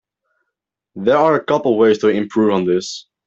There are a couple ways to improve on this.